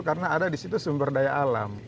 karena ada di situ sumber daya alam